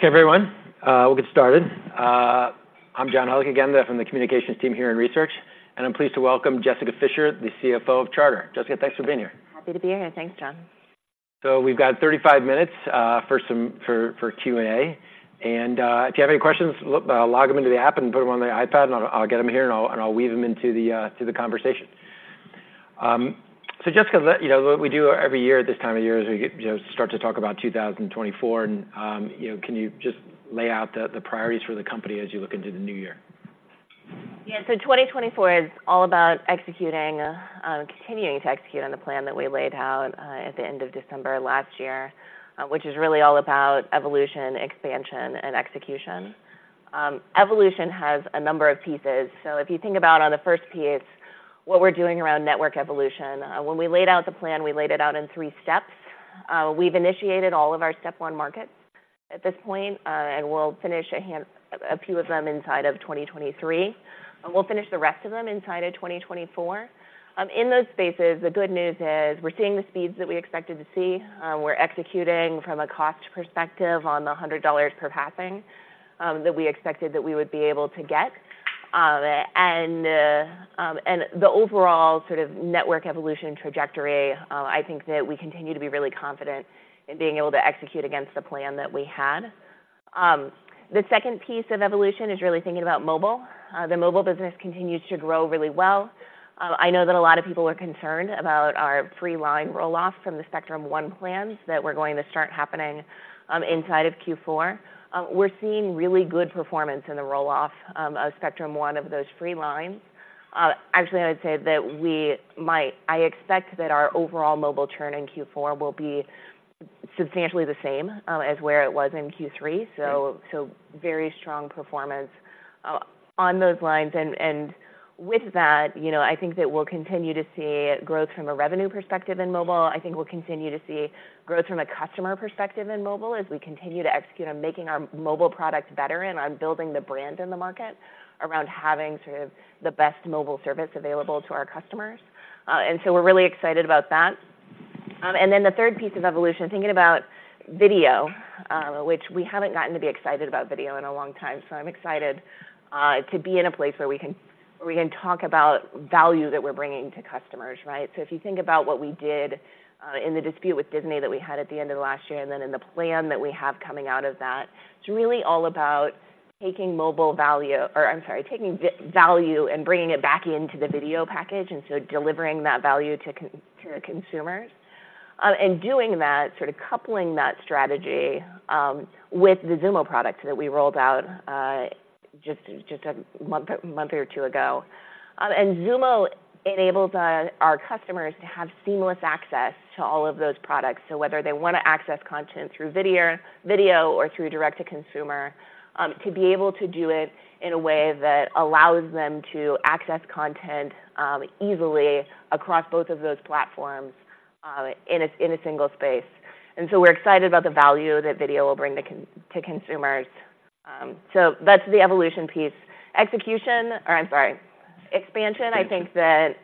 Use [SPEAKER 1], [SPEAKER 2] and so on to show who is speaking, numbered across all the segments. [SPEAKER 1] Okay, everyone, we'll get started. I'm John Hodulik again from the communications team here in research, and I'm pleased to welcome Jessica Fischer, the CFO of Charter. Jessica, thanks for being here.
[SPEAKER 2] Happy to be here. Thanks, John.
[SPEAKER 1] So we've got 35 minutes for some Q&A. And if you have any questions, log them into the app and put them on the iPad, and I'll get them here, and I'll weave them into the conversation. So Jessica, let you know, what we do every year at this time of year is we get, you know, start to talk about 2024 and, you know, can you just lay out the priorities for the company as you look into the new year?
[SPEAKER 2] Yeah. So 2024 is all about executing, continuing to execute on the plan that we laid out at the end of December last year, which is really all about evolution, expansion, and execution. Evolution has a number of pieces. So if you think about on the first piece, what we're doing around network evolution. When we laid out the plan, we laid it out in three steps. We've initiated all of our step one markets at this point, and we'll finish a few of them inside of 2023. We'll finish the rest of them inside of 2024. In those spaces, the good news is, we're seeing the speeds that we expected to see. We're executing from a cost perspective on the $100 per passing that we expected that we would be able to get. And the overall sort of network evolution trajectory, I think that we continue to be really confident in being able to execute against the plan that we had. The second piece of evolution is really thinking about mobile. The mobile business continues to grow really well. I know that a lot of people are concerned about our free line roll-off from the Spectrum One plans that were going to start happening inside of Q4. We're seeing really good performance in the roll-off of Spectrum One, of those free lines. Actually, I would say that we might. I expect that our overall mobile churn in Q4 will be substantially the same as where it was in Q3. So, very strong performance on those lines. And with that, you know, I think that we'll continue to see growth from a revenue perspective in mobile. I think we'll continue to see growth from a customer perspective in mobile, as we continue to execute on making our mobile products better and on building the brand in the market around having sort of the best mobile service available to our customers. And so we're really excited about that. And then the third piece of evolution, thinking about video, which we haven't gotten to be excited about video in a long time, so I'm excited to be in a place where we can talk about value that we're bringing to customers, right? So if you think about what we did in the dispute with Disney that we had at the end of last year, and then in the plan that we have coming out of that, it's really all about taking mobile value... Or I'm sorry, taking value and bringing it back into the video package, and so delivering that value to the consumers. And doing that, sort of coupling that strategy with the Xumo product that we rolled out just a month or two ago. And Xumo enables our customers to have seamless access to all of those products. So whether they want to access content through video or through direct-to-consumer, to be able to do it in a way that allows them to access content easily across both of those platforms in a single space. And so we're excited about the value that video will bring to consumers. So that's the evolution piece. Expansion, I think that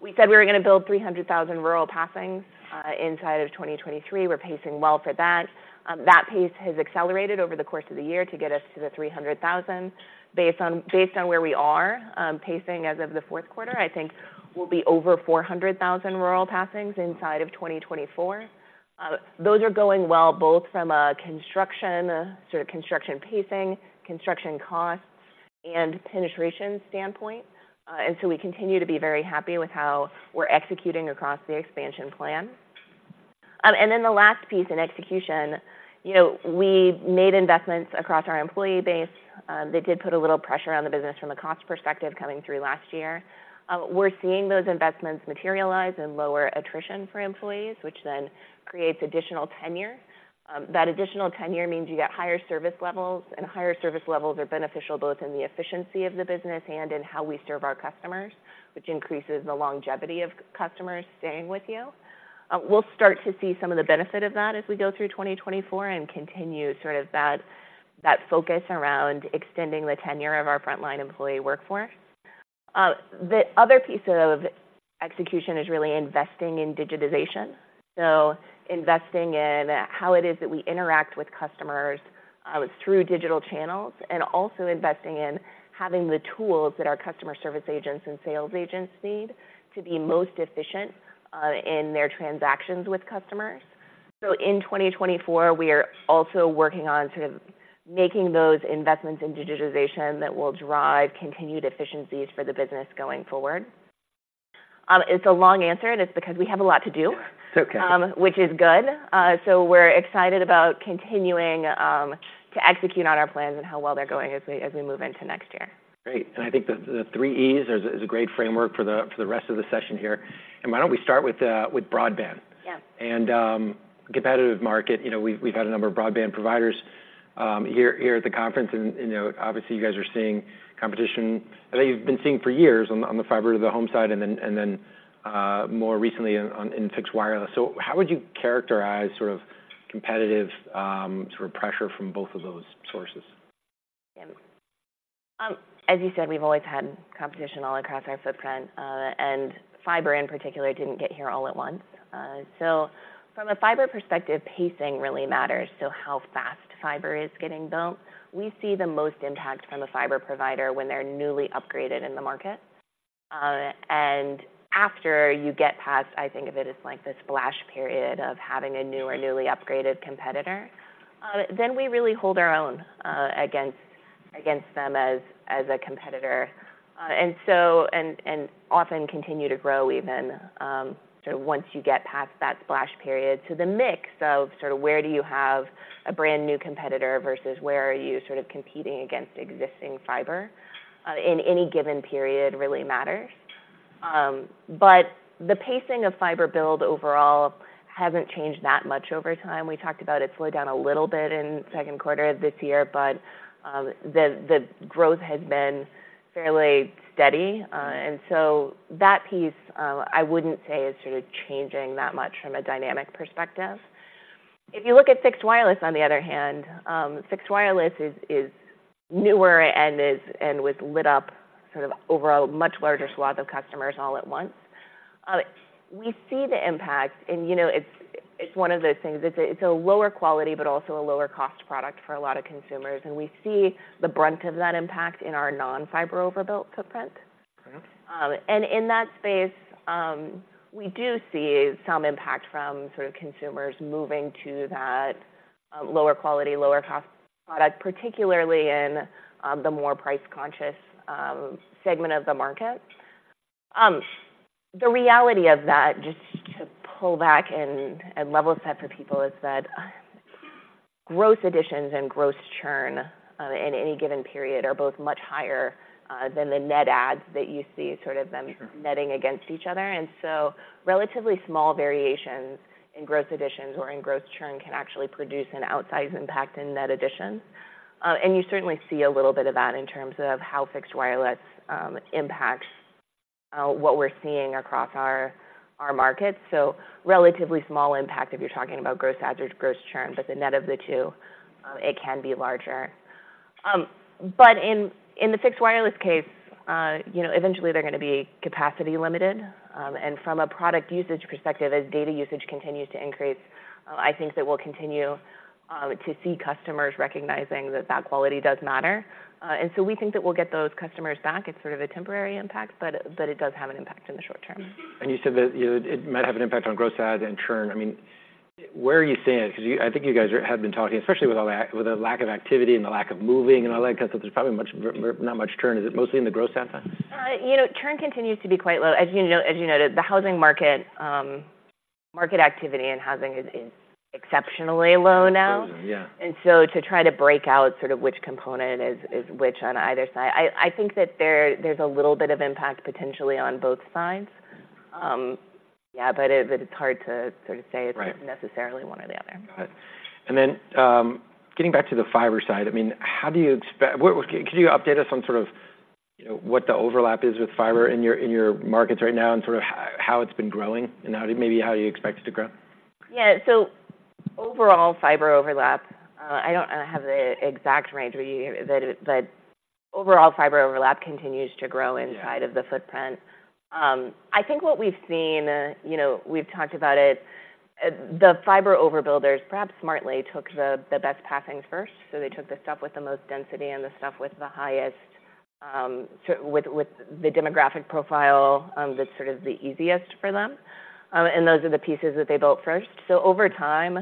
[SPEAKER 2] we said we were going to build 300,000 rural passings inside of 2023. We're pacing well for that. That pace has accelerated over the course of the year to get us to the 300,000. Based on, based on where we are, pacing as of the fourth quarter, I think we'll be over 400,000 rural passings inside of 2024. Those are going well, both from a construction, sort of construction pacing, construction costs, and penetration standpoint. And so we continue to be very happy with how we're executing across the expansion plan. And then the last piece in execution, you know, we made investments across our employee base. They did put a little pressure on the business from a cost perspective coming through last year. We're seeing those investments materialize in lower attrition for employees, which then creates additional tenure. That additional tenure means you get higher service levels, and higher service levels are beneficial both in the efficiency of the business and in how we serve our customers, which increases the longevity of customers staying with you. We'll start to see some of the benefit of that as we go through 2024 and continue sort of that, that focus around extending the tenure of our frontline employee workforce. The other piece of execution is really investing in digitization. So investing in how it is that we interact with customers through digital channels, and also investing in having the tools that our customer service agents and sales agents need to be most efficient in their transactions with customers. So in 2024, we are also working on sort of making those investments in digitization that will drive continued efficiencies for the business going forward. It's a long answer, and it's because we have a lot to do-
[SPEAKER 1] It's okay.
[SPEAKER 2] which is good. So we're excited about continuing to execute on our plans and how well they're going as we move into next year.
[SPEAKER 1] Great. I think the 3E's is a great framework for the rest of the session here. Why don't we start with broadband?
[SPEAKER 2] Yeah.
[SPEAKER 1] Competitive market, you know, we've had a number of broadband providers here at the conference, and, you know, obviously, you guys are seeing competition. I think you've been seeing for years on the fiber to the home side and then more recently in fixed wireless. So how would you characterize sort of competitive sort of pressure from both of those sources?
[SPEAKER 2] As you said, we've always had competition all across our footprint. And fiber in particular didn't get here all at once. So from a fiber perspective, pacing really matters, so how fast fiber is getting built. We see the most impact from a fiber provider when they're newly upgraded in the market. And after you get past, I think of it as like the splash period of having a new or newly upgraded competitor, then we really hold our own against them as a competitor. And so, and often continue to grow even, sort of once you get past that splash period. So the mix of sort of where do you have a brand new competitor versus where are you sort of competing against existing fiber in any given period really matters. But the pacing of fiber build overall hasn't changed that much over time. We talked about it slowed down a little bit in the second quarter of this year, but, the growth has been fairly steady. And so that piece, I wouldn't say is sort of changing that much from a dynamic perspective. If you look at fixed wireless, on the other hand, fixed wireless is newer and was lit up sort of over a much larger swath of customers all at once. We see the impact, and, you know, it's one of those things, it's a lower quality, but also a lower cost product for a lot of consumers. And we see the brunt of that impact in our non-fiber overbuilt footprint.
[SPEAKER 1] Right.
[SPEAKER 2] And in that space, we do see some impact from sort of consumers moving to that, lower quality, lower cost product, particularly in, the more price-conscious, segment of the market. The reality of that, just to pull back and level set for people, is that, gross additions and gross churn, in any given period are both much higher, than the net adds that you see sort of them-
[SPEAKER 1] Sure.
[SPEAKER 2] netting against each other. And so relatively small variations in gross additions or in gross churn can actually produce an outsized impact in net additions. And you certainly see a little bit of that in terms of how fixed wireless impacts what we're seeing across our markets. So relatively small impact if you're talking about gross adds or gross churn, but the net of the two, it can be larger. But in the fixed wireless case, you know, eventually they're going to be capacity limited. And from a product usage perspective, as data usage continues to increase, I think that we'll continue to see customers recognizing that quality does matter. And so we think that we'll get those customers back. It's sort of a temporary impact, but it does have an impact in the short term.
[SPEAKER 1] And you said that, you know, it might have an impact on gross adds and churn. I mean, where are you seeing it? Because you, I think you guys have been talking, especially with the lack of activity and the lack of moving and all that, because there's probably not much churn. Is it mostly in the gross add side?
[SPEAKER 2] You know, churn continues to be quite low. As you know, as you noted, the housing market, market activity in housing is exceptionally low now.
[SPEAKER 1] Yeah.
[SPEAKER 2] And so to try to break out sort of which component is which on either side, I think that there's a little bit of impact potentially on both sides. Yeah, but it's hard to sort of say-
[SPEAKER 1] Right....
[SPEAKER 2] it's necessarily one or the other.
[SPEAKER 1] Got it. And then, getting back to the fiber side, I mean, can you update us on sort of, you know, what the overlap is with fiber in your markets right now, and sort of how it's been growing and how, maybe how you expect it to grow?
[SPEAKER 2] Yeah. So overall, fiber overlap, I don't have the exact range, but overall fiber overlap continues to grow-
[SPEAKER 1] Yeah....
[SPEAKER 2] inside of the footprint. I think what we've seen, you know, we've talked about it. The fiber overbuilders, perhaps smartly, took the best passings first. So they took the stuff with the most density and the stuff with the highest, so with the demographic profile, that's sort of the easiest for them. And those are the pieces that they built first. So over time,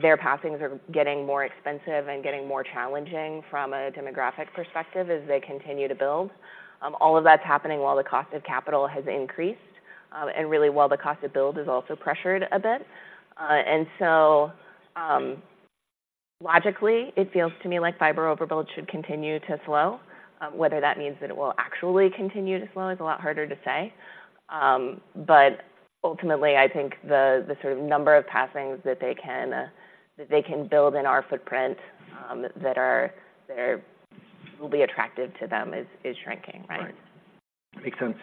[SPEAKER 2] their passings are getting more expensive and getting more challenging from a demographic perspective as they continue to build. All of that's happening while the cost of capital has increased, and really while the cost to build is also pressured a bit. And so, logically, it feels to me like fiber overbuild should continue to slow. Whether that means that it will actually continue to slow is a lot harder to say. But ultimately, I think the sort of number of passings that they can build in our footprint that are really attractive to them is shrinking. Right.
[SPEAKER 1] Right. Makes sense.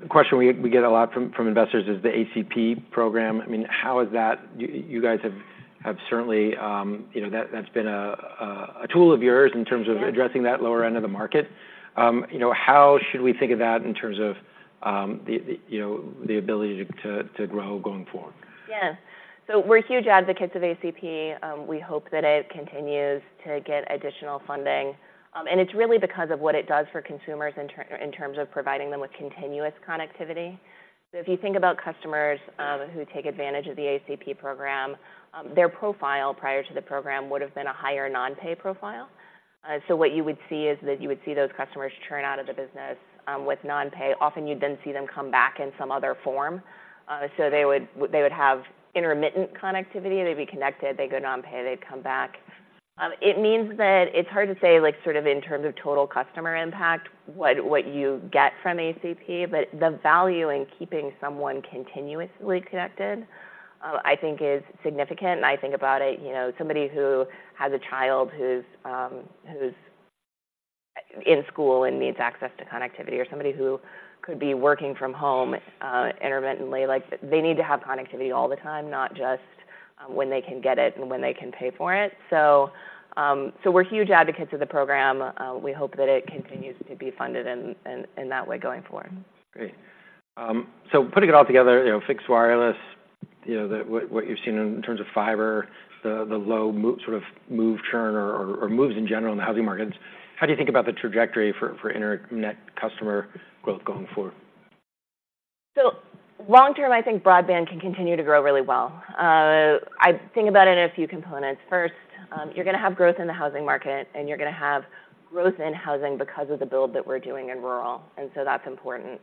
[SPEAKER 1] The question we get a lot from investors is the ACP program. I mean, how is that... You guys have certainly, you know, that's been a tool of yours in terms of-
[SPEAKER 2] Yeah....
[SPEAKER 1] addressing that lower end of the market. You know, how should we think of that in terms of, the you know, the ability to grow going forward?
[SPEAKER 2] Yes. So we're huge advocates of ACP. We hope that it continues to get additional funding. And it's really because of what it does for consumers in terms of providing them with continuous connectivity. So if you think about customers, who take advantage of the ACP program, their profile prior to the program would have been a higher non-pay profile. So what you would see is that you would see those customers churn out of the business, with non-pay. Often, you'd then see them come back in some other form. So they would, they would have intermittent connectivity. They'd be connected, they'd go non-pay, they'd come back. It means that it's hard to say, like, sort of in terms of total customer impact, what you get from ACP, but the value in keeping someone continuously connected, I think is significant. And I think about it, you know, somebody who has a child who's in school and needs access to connectivity, or somebody who could be working from home intermittently, like, they need to have connectivity all the time, not just when they can get it and when they can pay for it. So, so we're huge advocates of the program. We hope that it continues to be funded in that way going forward.
[SPEAKER 1] Great. So putting it all together, you know, fixed wireless, you know, what you've seen in terms of fiber, the low move sort of churn or moves in general in the housing markets, how do you think about the trajectory for internet customer growth going forward?
[SPEAKER 2] So long term, I think broadband can continue to grow really well. I think about it in a few components. First, you're gonna have growth in the housing market, and you're gonna have growth in housing because of the build that we're doing in rural, and so that's important.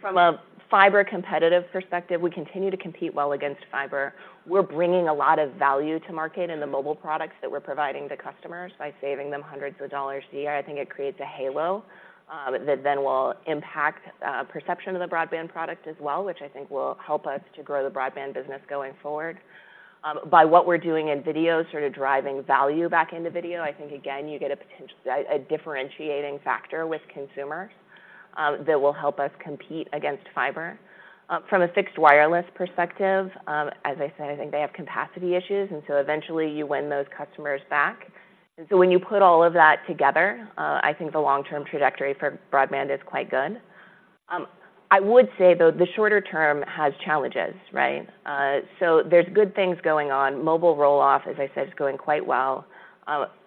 [SPEAKER 2] From a fiber competitive perspective, we continue to compete well against fiber. We're bringing a lot of value to market in the mobile products that we're providing to customers by saving them hundreds of dollars a year. I think it creates a halo that then will impact perception of the broadband product as well, which I think will help us to grow the broadband business going forward. By what we're doing in video, sort of driving value back into video, I think, again, you get a differentiating factor with consumers that will help us compete against fiber. From a fixed wireless perspective, as I said, I think they have capacity issues, and so eventually, you win those customers back. And so when you put all of that together, I think the long-term trajectory for broadband is quite good. I would say, though, the shorter term has challenges, right? So there's good things going on. Mobile roll-off, as I said, is going quite well.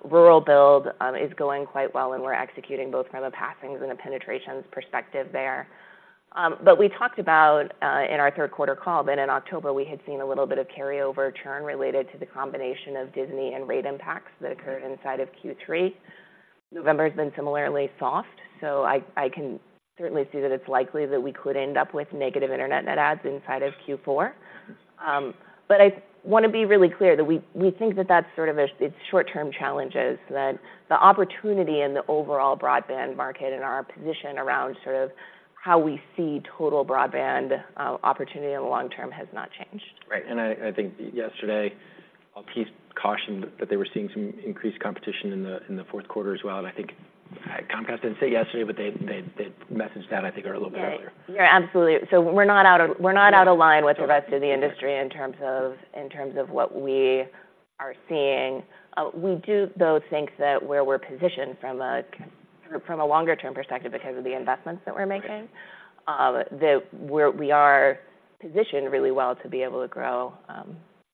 [SPEAKER 2] Rural build is going quite well, and we're executing both from a passings and a penetrations perspective there. But we talked about, in our third quarter call, that in October, we had seen a little bit of carryover churn related to the combination of Disney and rate impacts that occurred inside of Q3. November has been similarly soft, so I can certainly see that it's likely that we could end up with negative Internet net adds inside of Q4. But I wanna be really clear that we think that that's sort of it's short-term challenges, that the opportunity in the overall broadband market and our position around sort of how we see total broadband, opportunity in the long term has not changed.
[SPEAKER 1] Right. And I think yesterday, Altice cautioned that they were seeing some increased competition in the fourth quarter as well. And I think, Comcast didn't say yesterday, but they messaged that, I think, a little bit earlier.
[SPEAKER 2] Right. Yeah, absolutely. So we're not out of line with the rest of the industry in terms of what we are seeing. We do, though, think that where we're positioned from a longer term perspective, because of the investments that we're making, that we are positioned really well to be able to grow,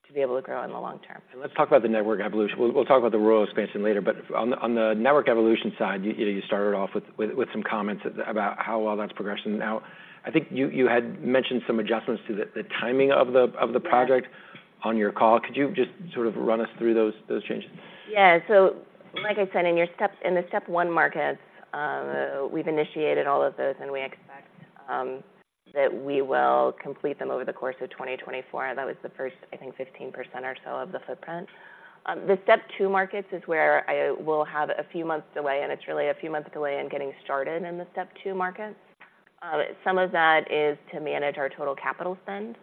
[SPEAKER 2] to be able to grow in the long term.
[SPEAKER 1] Let's talk about the network evolution. We'll talk about the rural expansion later, but on the network evolution side, you started off with some comments about how well that's progressing. Now, I think you had mentioned some adjustments to the timing of the-
[SPEAKER 2] Right....
[SPEAKER 1] project on your call. Could you just sort of run us through those, those changes?
[SPEAKER 2] Yeah. So like I said, in the step one markets, we've initiated all of those, and we expect that we will complete them over the course of 2024. That was the first, I think, 15% or so of the footprint. The step two markets is where we'll have a few months away, and it's really a few months away and getting started in the step two markets. Some of that is to manage our total capital spend,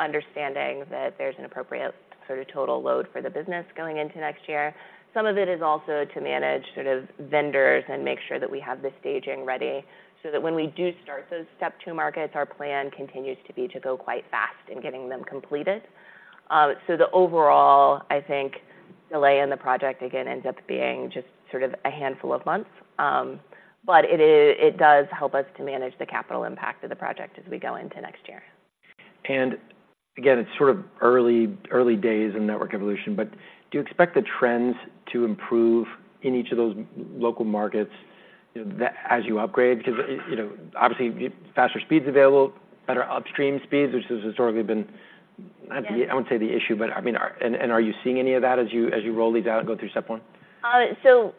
[SPEAKER 2] understanding that there's an appropriate sort of total load for the business going into next year. Some of it is also to manage sort of vendors and make sure that we have the staging ready, so that when we do start those step two markets, our plan continues to be to go quite fast in getting them completed. So the overall, I think, delay in the project again, ends up being just sort of a handful of months. But it is, it does help us to manage the capital impact of the project as we go into next year.
[SPEAKER 1] And again, it's sort of early, early days in network evolution, but do you expect the trends to improve in each of those local markets, you know, as you upgrade? Because, you know, obviously, faster speeds available, better upstream speeds, which has historically been-
[SPEAKER 2] Yeah....
[SPEAKER 1] I wouldn't say the issue, but I mean, are you seeing any of that as you roll these out and go through step one?
[SPEAKER 2] So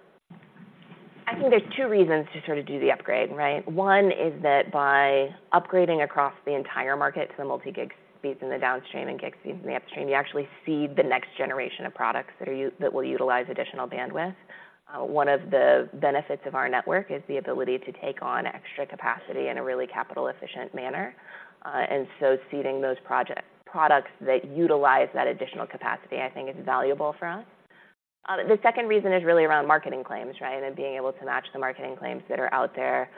[SPEAKER 2] I think there's two reasons to sort of do the upgrade, right? One is that by upgrading across the entire market to the multi-gig speeds in the downstream and gig speeds in the upstream, you actually see the next generation of products that will utilize additional bandwidth. One of the benefits of our network is the ability to take on extra capacity in a really capital-efficient manner. And so seeding those products that utilize that additional capacity, I think, is valuable for us. The second reason is really around marketing claims, right? And being able to match the marketing claims that are out there,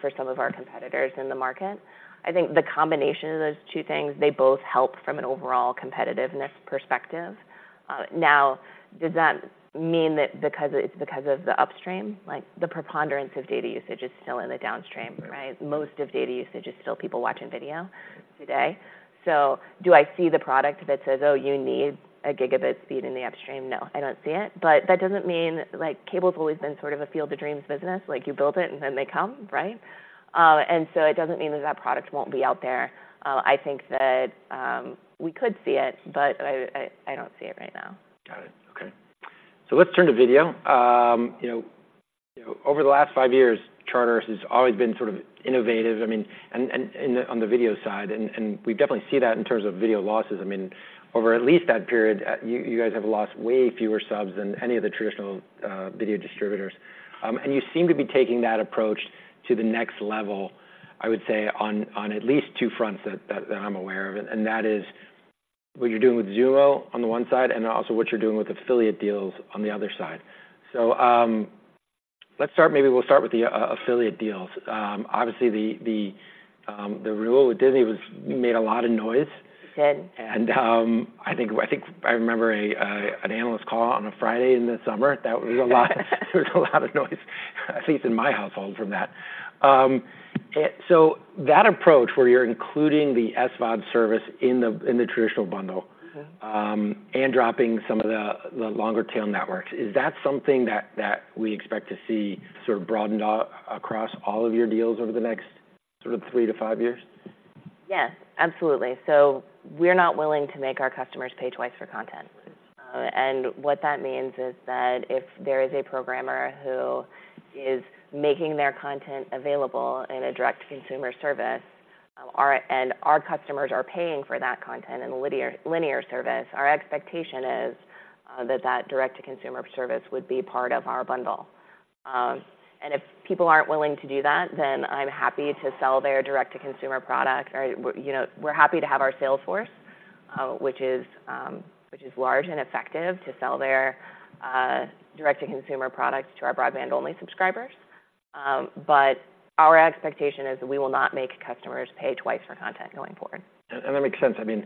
[SPEAKER 2] for some of our competitors in the market. I think the combination of those two things, they both help from an overall competitiveness perspective. Now, does that mean that it's because of the upstream? Like, the preponderance of data usage is still in the downstream, right? Most of data usage is still people watching video today. So do I see the product that says, "Oh, you need a gigabit speed in the upstream?" No, I don't see it, but that doesn't mean... Like, cable's always been sort of a field of dreams business. Like, you build it, and then they come, right? And so it doesn't mean that that product won't be out there. I think that we could see it, but I don't see it right now.
[SPEAKER 1] Got it. Okay. So let's turn to video. You know, over the last five years, Charter has always been sort of innovative, I mean, and, and on the video side, and, and we definitely see that in terms of video losses. I mean, over at least that period, you, you guys have lost way fewer subs than any of the traditional, video distributors. And you seem to be taking that approach to the next level, I would say, on, on at least two fronts that, that I'm aware of, and that is one-... what you're doing with Xumo on the one side, and then also what you're doing with affiliate deals on the other side. So, let's start. Maybe we'll start with the, affiliate deals. Obviously, the, the, the deal with Disney was-- made a lot of noise.
[SPEAKER 2] It did.
[SPEAKER 1] I think I remember an analyst call on a Friday in the summer that was a lot, there was a lot of noise, at least in my household, from that. So that approach, where you're including the SVOD service in the traditional bundle-
[SPEAKER 2] Mm-hmm.
[SPEAKER 1] and dropping some of the longer tail networks, is that something that we expect to see sort of broadened out across all of your deals over the next sort of 3-5 years?
[SPEAKER 2] Yes, absolutely. So we're not willing to make our customers pay twice for content. What that means is that if there is a programmer who is making their content available in a direct-to-consumer service, and our customers are paying for that content in a linear service, our expectation is that that direct-to-consumer service would be part of our bundle. If people aren't willing to do that, then I'm happy to sell their direct-to-consumer product. Or, you know, we're happy to have our sales force, which is large and effective, to sell their direct-to-consumer products to our broadband-only subscribers. But our expectation is that we will not make customers pay twice for content going forward.
[SPEAKER 1] And that makes sense. I mean,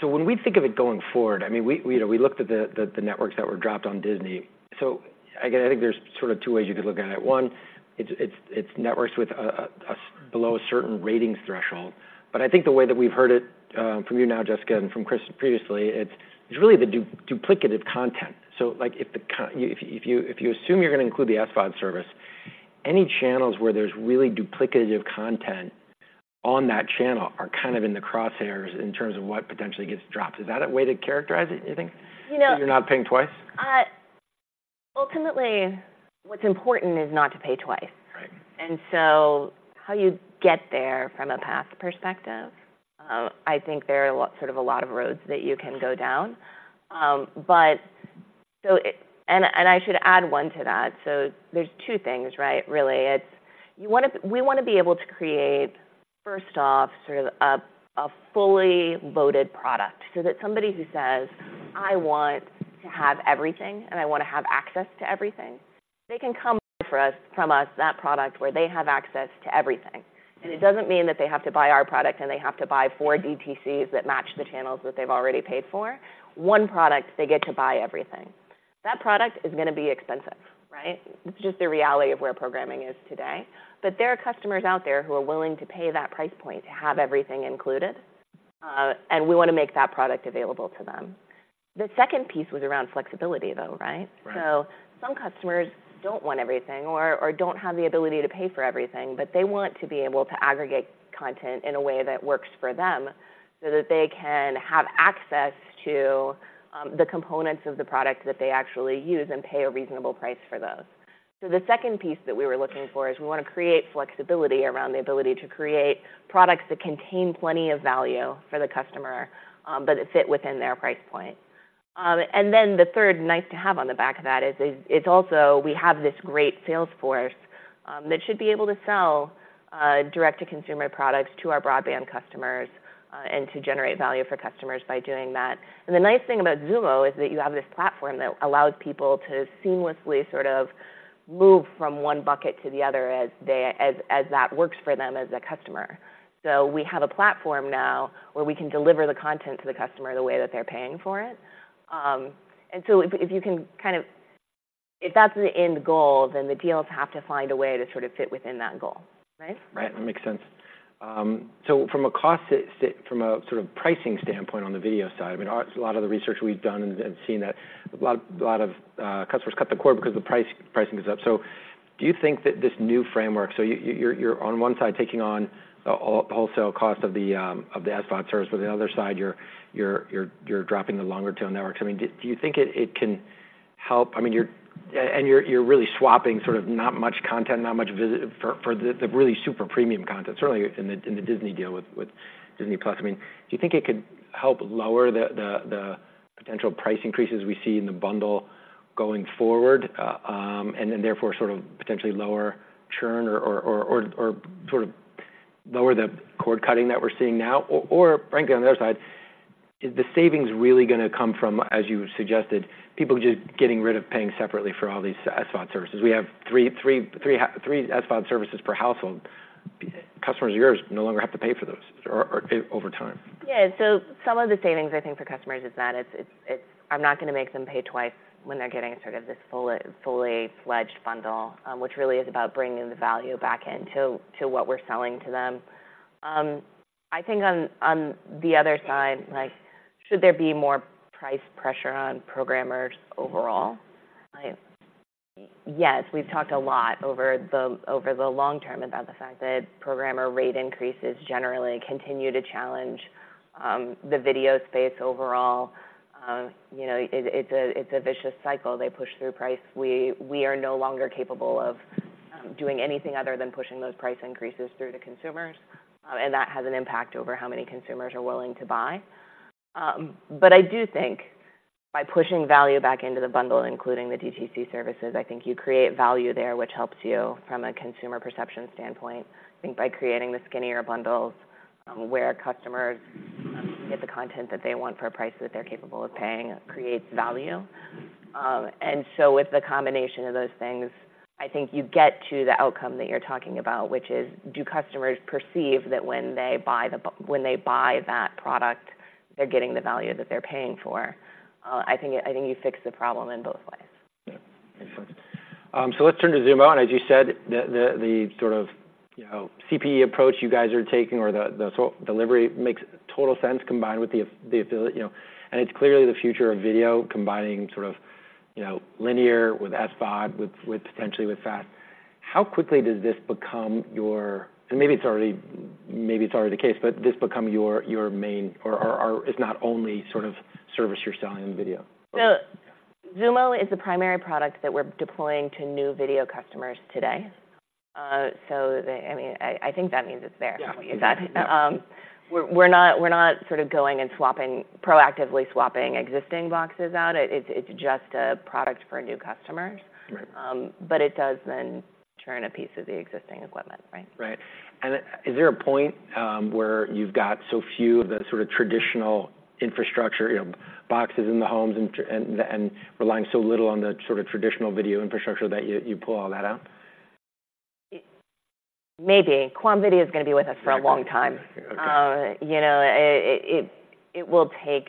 [SPEAKER 1] so when we think of it going forward, I mean, we, you know, we looked at the networks that were dropped on Disney. So again, I think there's sort of two ways you could look at it. One, it's networks with a below a certain ratings threshold. But I think the way that we've heard it from you now, Jessica, and from Chris previously, it's really the duplicative content. So, like, if you, if you assume you're going to include the SVOD service, any channels where there's really duplicative content on that channel are kind of in the crosshairs in terms of what potentially gets dropped. Is that a way to characterize it, you think?
[SPEAKER 2] You know-
[SPEAKER 1] You're not paying twice.
[SPEAKER 2] Ultimately, what's important is not to pay twice.
[SPEAKER 1] Right.
[SPEAKER 2] And so how you get there from a path perspective, I think there are a lot, sort of a lot of roads that you can go down. And, and I should add one to that. So there's two things, right? Really, it's you wanna—we wanna be able to create, first off, sort of a fully loaded product, so that somebody who says, "I want to have everything, and I want to have access to everything," they can come to us, from us, that product, where they have access to everything. And it doesn't mean that they have to buy our product, and they have to buy four DTCs that match the channels that they've already paid for. One product, they get to buy everything. That product is gonna be expensive, right? It's just the reality of where programming is today. But there are customers out there who are willing to pay that price point to have everything included, and we wanna make that product available to them. The second piece was around flexibility, though, right?
[SPEAKER 1] Right.
[SPEAKER 2] So some customers don't want everything or don't have the ability to pay for everything, but they want to be able to aggregate content in a way that works for them, so that they can have access to the components of the product that they actually use and pay a reasonable price for those. So the second piece that we were looking for is we wanna create flexibility around the ability to create products that contain plenty of value for the customer, but that fit within their price point. And then the third nice-to-have on the back of that is it's also we have this great sales force that should be able to sell direct-to-consumer products to our broadband customers and to generate value for customers by doing that. And the nice thing about Xumo is that you have this platform that allows people to seamlessly sort of move from one bucket to the other as that works for them as a customer. So we have a platform now where we can deliver the content to the customer the way that they're paying for it. And so if you can kind of... If that's the end goal, then the deals have to find a way to sort of fit within that goal. Right?
[SPEAKER 1] Right. That makes sense. So from a cost side, from a sort of pricing standpoint on the video side, I mean, a lot of the research we've done and seen that a lot, a lot of customers cut the cord because the pricing is up. So do you think that this new framework? So you're on one side, taking on the wholesale cost of the SVOD service, but the other side, you're dropping the long-tail networks. I mean, do you think it can help? I mean, you're and you're really swapping sort of not much content, not much visit for the really super premium content. Certainly in the Disney deal with Disney+. I mean, do you think it could help lower the potential price increases we see in the bundle going forward? And then therefore, sort of potentially lower churn or sort of lower the cord-cutting that we're seeing now? Or frankly, on the other side, is the savings really gonna come from, as you suggested, people just getting rid of paying separately for all these SVOD services? We have three SVOD services per household. Customers of yours no longer have to pay for those, or over time.
[SPEAKER 2] Yeah. So some of the savings, I think, for customers is that it's—I'm not gonna make them pay twice when they're getting sort of this full, fully fledged bundle, which really is about bringing the value back into, to what we're selling to them. I think on the other side, like, should there be more price pressure on programmers overall? I... Yes, we've talked a lot over the long term about the fact that programmer rate increases generally continue to challenge the video space overall. You know, it's a vicious cycle. They push through price. We are no longer capable of doing anything other than pushing those price increases through to consumers, and that has an impact over how many consumers are willing to buy. But I do think-... By pushing value back into the bundle, including the DTC services, I think you create value there, which helps you from a consumer perception standpoint. I think by creating the skinnier bundles, where customers get the content that they want for a price that they're capable of paying creates value. And so with the combination of those things, I think you get to the outcome that you're talking about, which is, do customers perceive that when they buy the b- when they buy that product, they're getting the value that they're paying for? I think, I think you fix the problem in both ways.
[SPEAKER 1] Yeah. Makes sense. So let's turn to Xumo. And as you said, the sort of, you know, CPE approach you guys are taking or the sort of delivery makes total sense combined with the affiliate, you know, and it's clearly the future of video combining sort of, you know, linear with SVOD, with potentially FAST. How quickly does this become your and maybe it's already the case, but this become your main or if not only, sort of service you're selling in video?
[SPEAKER 2] So Xumo is the primary product that we're deploying to new video customers today. So, I mean, I think that means it's there.
[SPEAKER 1] Yeah.
[SPEAKER 2] How to use that. We're not sort of going and proactively swapping existing boxes out. It's just a product for new customers.
[SPEAKER 1] Right.
[SPEAKER 2] But it does then turn a piece of the existing equipment, right?
[SPEAKER 1] Right. And is there a point, where you've got so few of the sort of traditional infrastructure, you know, boxes in the homes and relying so little on the sort of traditional video infrastructure that you pull all that out?
[SPEAKER 2] Maybe. QAM video is gonna be with us for a long time.
[SPEAKER 1] Okay.
[SPEAKER 2] You know, it will take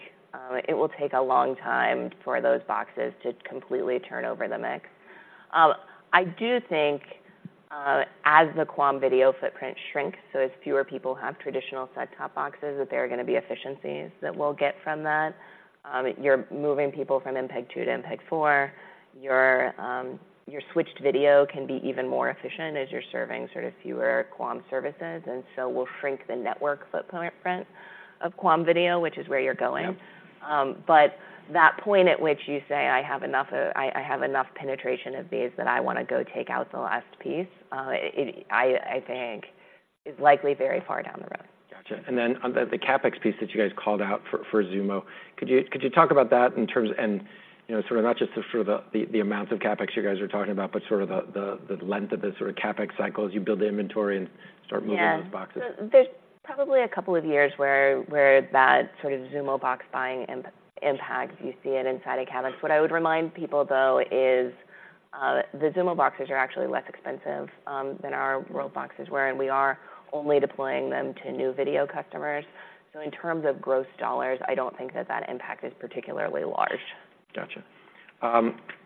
[SPEAKER 2] a long time for those boxes to completely turn over the mix. I do think, as the QAM video footprint shrinks, so as fewer people have traditional set-top boxes, that there are gonna be efficiencies that we'll get from that. You're moving people from MPEG-2 to MPEG-4. Your switched video can be even more efficient as you're serving sort of fewer QAM services, and so we'll shrink the network footprint of QAM video, which is where you're going.
[SPEAKER 1] Yeah.
[SPEAKER 2] But that point at which you say, "I have enough penetration of these that I wanna go take out the last piece," I think is likely very far down the road.
[SPEAKER 1] Gotcha. And then on the CapEx piece that you guys called out for Xumo, could you talk about that in terms of, you know, sort of not just the sort of length of the sort of CapEx cycle as you build the inventory and start moving those boxes?
[SPEAKER 2] Yeah. There's probably a couple of years where that sort of Xumo box buying impact you see it inside of CapEx. What I would remind people, though, is the Xumo boxes are actually less expensive than our old boxes were, and we are only deploying them to new video customers. So in terms of gross dollars, I don't think that impact is particularly large.
[SPEAKER 1] Gotcha.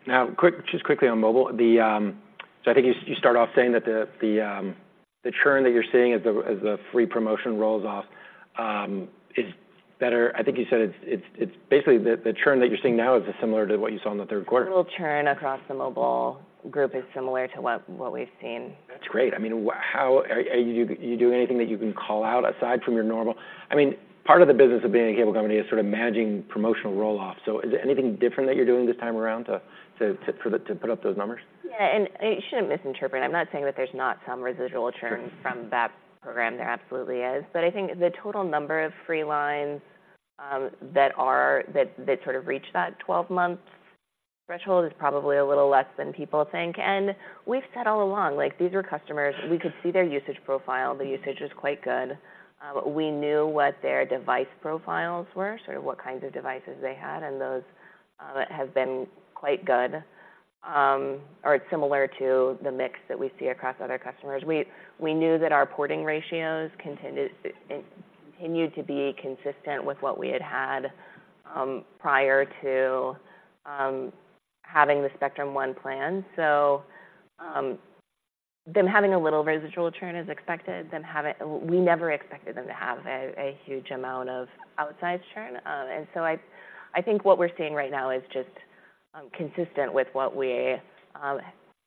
[SPEAKER 1] Now, just quickly on mobile. So I think you start off saying that the churn that you're seeing as the free promotion rolls off is better. I think you said it's basically the churn that you're seeing now is similar to what you saw in the third quarter.
[SPEAKER 2] Total churn across the mobile group is similar to what we've seen.
[SPEAKER 1] That's great. I mean, how are you doing anything that you can call out aside from your normal, I mean, part of the business of being a cable company is sort of managing promotional roll-off. So is there anything different that you're doing this time around to put up those numbers?
[SPEAKER 2] Yeah, and you shouldn't misinterpret. I'm not saying that there's not some residual churn-
[SPEAKER 1] Sure....
[SPEAKER 2] from that program. There absolutely is. But I think the total number of free lines that sort of reach that 12-month threshold is probably a little less than people think. And we've said all along, like, these are customers. We could see their usage profile. The usage was quite good. We knew what their device profiles were, sort of what kinds of devices they had, and those have been quite good or similar to the mix that we see across other customers. We knew that our porting ratios continued, it continued to be consistent with what we had had prior to having the Spectrum One plan. So, them having a little residual churn is expected. Them having. We never expected them to have a huge amount of outside churn. And so I think what we're seeing right now is just consistent with what we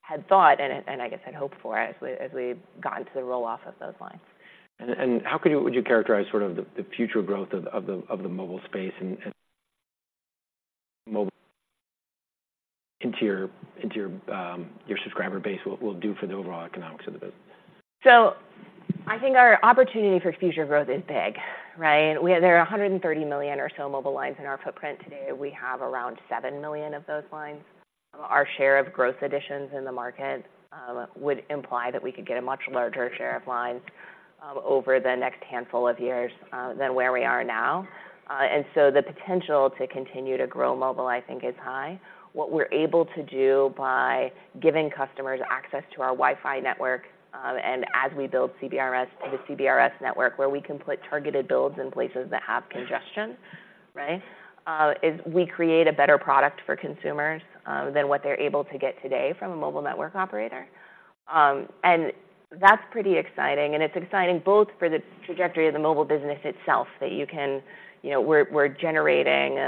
[SPEAKER 2] had thought and I guess had hoped for as we've gotten to the roll-off of those lines.
[SPEAKER 1] How would you characterize sort of the future growth of the mobile space and mobile into your subscriber base will do for the overall economics of the business?
[SPEAKER 2] So I think our opportunity for future growth is big, right? There are 130 million or so mobile lines in our footprint today. We have around 7 million of those lines. Our share of growth additions in the market would imply that we could get a much larger share of lines over the next handful of years than where we are now. And so the potential to continue to grow mobile, I think, is high. What we're able to do by giving customers access to our Wi-Fi network and as we build CBRS, the CBRS network, where we can put targeted builds in places that have congestion, right? Is we create a better product for consumers than what they're able to get today from a mobile network operator. And that's pretty exciting, and it's exciting both for the trajectory of the mobile business itself. You know, we're generating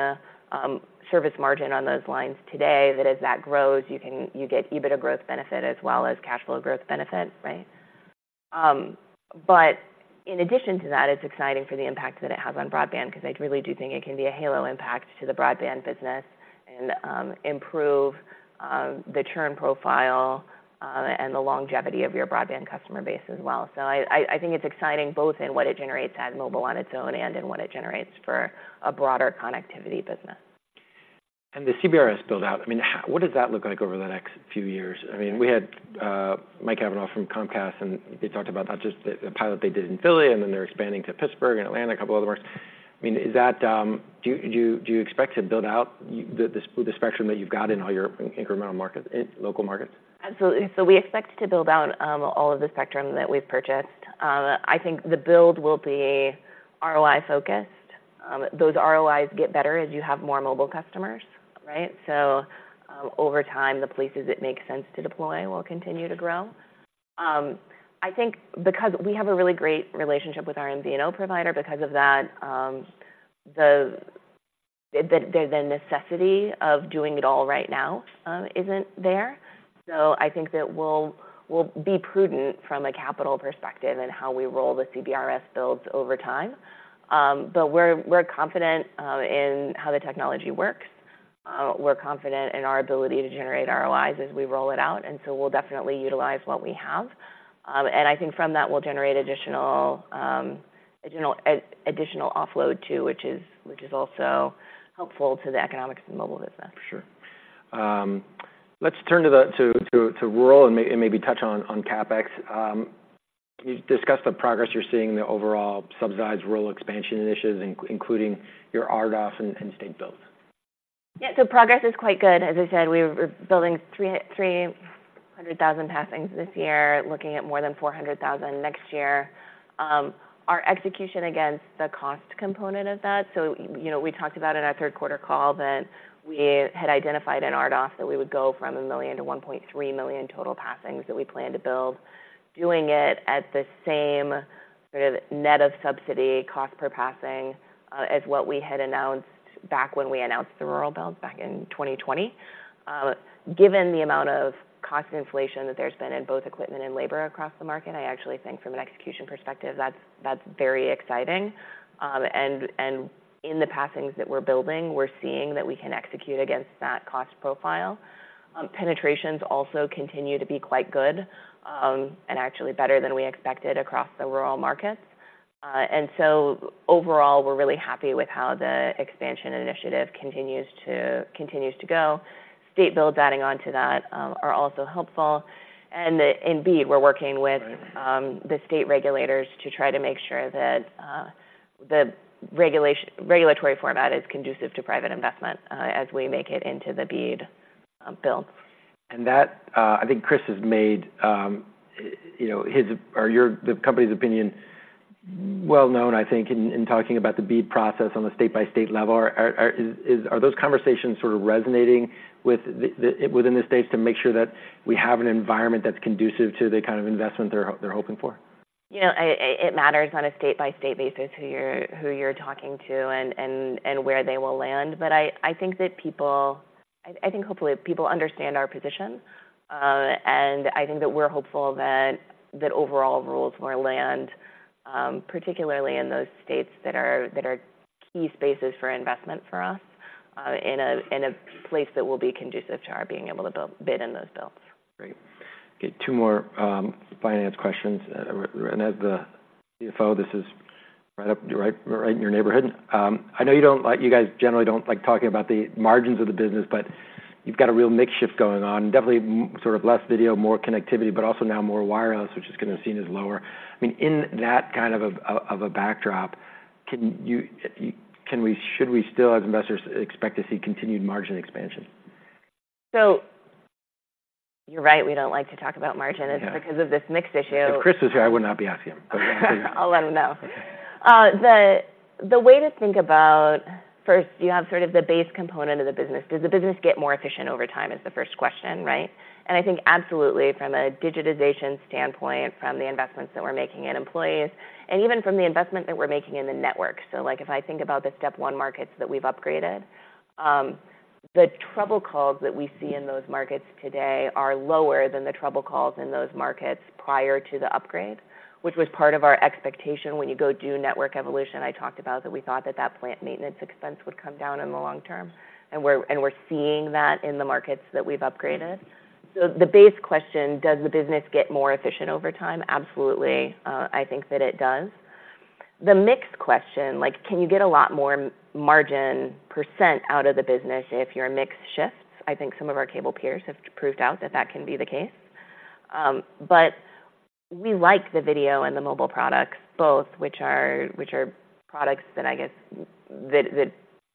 [SPEAKER 2] service margin on those lines today, that as that grows, you get EBITDA growth benefit as well as cash flow growth benefit, right? But in addition to that, it's exciting for the impact that it has on broadband, because I really do think it can be a halo impact to the broadband business and improve the churn profile and the longevity of your broadband customer base as well. So I think it's exciting both in what it generates as mobile on its own and in what it generates for a broader connectivity business. ...
[SPEAKER 1] The CBRS build out, I mean, how, what does that look like over the next few years? I mean, we had Mike Cavanagh from Comcast, and he talked about not just the pilot they did in Philly, and then they're expanding to Pittsburgh and Atlanta, a couple other markets. I mean, is that... Do you expect to build out the spectrum that you've got in all your incremental markets, in local markets?
[SPEAKER 2] Absolutely. So we expect to build out all of the spectrum that we've purchased. I think the build will be ROI-focused. Those ROIs get better as you have more mobile customers, right? So, over time, the places it makes sense to deploy will continue to grow. I think because we have a really great relationship with our MVNO provider, because of that, the necessity of doing it all right now, isn't there. So I think that we'll be prudent from a capital perspective in how we roll the CBRS builds over time. But we're confident in how the technology works. We're confident in our ability to generate ROIs as we roll it out, and so we'll definitely utilize what we have. And I think from that, we'll generate additional offload too, which is also helpful to the economics and mobile business.
[SPEAKER 1] For sure. Let's turn to the rural and maybe touch on CapEx. Can you discuss the progress you're seeing in the overall subsidized rural expansion initiatives, including your RDOF and state builds?
[SPEAKER 2] Yeah. So progress is quite good. As I said, we're building 300,000 passings this year, looking at more than 400,000 next year. Our execution against the cost component of that, so, you know, we talked about in our third quarter call that we had identified in RDOF that we would go from 1 million to 1.3 million total passings that we plan to build. Doing it at the same sort of net of subsidy cost per passing, as what we had announced back when we announced the rural builds back in 2020. Given the amount of cost inflation that there's been in both equipment and labor across the market, I actually think from an execution perspective, that's very exciting. In the passings that we're building, we're seeing that we can execute against that cost profile. Penetrations also continue to be quite good, and actually better than we expected across the rural markets. And so overall, we're really happy with how the expansion initiative continues to go. State builds adding on to that are also helpful. And indeed, we're working with-
[SPEAKER 1] Right....
[SPEAKER 2] the state regulators to try to make sure that the regulatory format is conducive to private investment, as we make it into the BEAD build.
[SPEAKER 1] That, I think Chris has made, you know, his or your, the company's opinion well known, I think, in talking about the BEAD process on a state-by-state level. Are those conversations sort of resonating within the states to make sure that we have an environment that's conducive to the kind of investment they're hoping for?
[SPEAKER 2] You know, it matters on a state-by-state basis who you're talking to and where they will land. But I think that people. I think hopefully people understand our position. And I think that we're hopeful that overall rules will land, particularly in those states that are key spaces for investment for us, in a place that will be conducive to our being able to build in those builds.
[SPEAKER 1] Great. Okay, two more finance questions. And as the CFO, this is right up, right, right in your neighborhood. I know you guys generally don't like talking about the margins of the business, but you've got a real mix shift going on. Definitely sort of less video, more connectivity, but also now more wireless, which is gonna be seen as lower. I mean, in that kind of a backdrop, should we still, as investors, expect to see continued margin expansion?
[SPEAKER 2] So you're right. We don't like to talk about margin-
[SPEAKER 1] Yeah....
[SPEAKER 2] it's because of this mix issue.
[SPEAKER 1] If Chris was here, I would not be asking him. But yeah.
[SPEAKER 2] I'll let him know.
[SPEAKER 1] Okay.
[SPEAKER 2] The way to think about, first, you have sort of the base component of the business. Does the business get more efficient over time, is the first question, right? I think absolutely, from a digitization standpoint, from the investments that we're making in employees, and even from the investment that we're making in the network. So, like, if I think about the step one markets that we've upgraded, the trouble calls that we see in those markets today are lower than the trouble calls in those markets prior to the upgrade, which was part of our expectation when you go do network evolution. I talked about that we thought that plant maintenance expense would come down in the long term, and we're seeing that in the markets that we've upgraded. The base question, does the business get more efficient over time? Absolutely. I think that it does. The mix question, like, can you get a lot more margin percent out of the business if your mix shifts? I think some of our cable peers have proved out that that can be the case. But we like the video and the mobile products, both, which are products that I guess that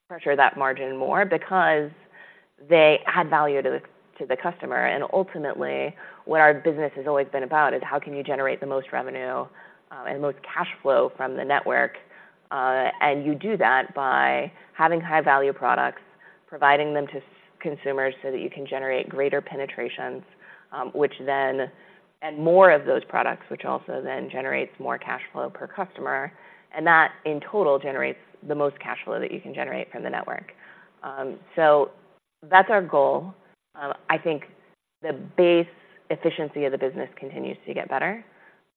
[SPEAKER 2] pressure that margin more because they add value to the customer. And ultimately, what our business has always been about is how can you generate the most revenue and the most cash flow from the network? And you do that by having high-value products, providing them to consumers so that you can generate greater penetrations and more of those products, which also then generates more cash flow per customer, and that, in total, generates the most cash flow that you can generate from the network. So that's our goal. I think the base efficiency of the business continues to get better.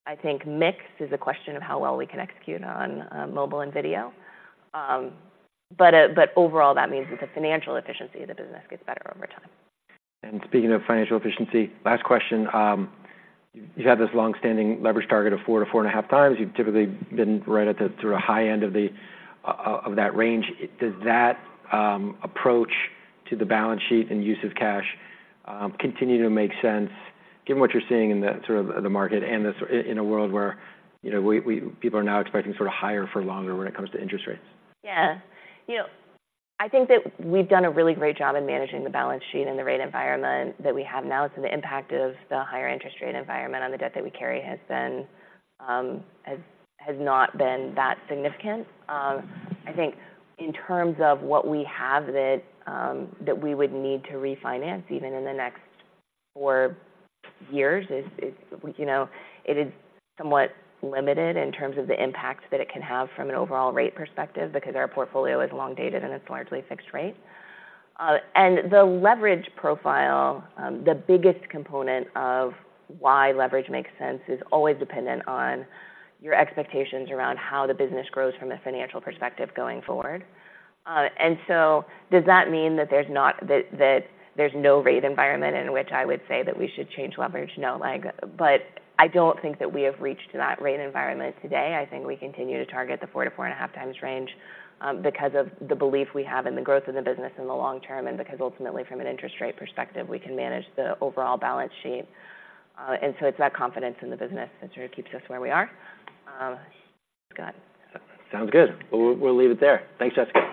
[SPEAKER 2] I think mix is a question of how well we can execute on mobile and video. But overall, that means that the financial efficiency of the business gets better over time.
[SPEAKER 1] Speaking of financial efficiency, last question: You've had this long-standing leverage target of 4-4.5 times. You've typically been right at the sort of high end of that range. Does that approach to the balance sheet and use of cash continue to make sense, given what you're seeing in the sort of the market and in a world where, you know, people are now expecting sort of higher for longer when it comes to interest rates?
[SPEAKER 2] Yeah. You know, I think that we've done a really great job in managing the balance sheet and the rate environment that we have now. So the impact of the higher interest rate environment on the debt that we carry has not been that significant. I think in terms of what we have that we would need to refinance even in the next four years, you know, it is somewhat limited in terms of the impact that it can have from an overall rate perspective, because our portfolio is long dated, and it's largely fixed rate. And the leverage profile, the biggest component of why leverage makes sense, is always dependent on your expectations around how the business grows from a financial perspective going forward. And so does that mean that there's no rate environment in which I would say that we should change leverage? No, like, but I don't think that we have reached that rate environment today. I think we continue to target the 4-4.5 times range, because of the belief we have in the growth of the business in the long term, and because ultimately, from an interest rate perspective, we can manage the overall balance sheet. and so it's that confidence in the business that sort of keeps us where we are. Go ahead.
[SPEAKER 1] Sounds good. We'll leave it there. Thanks, Jessica.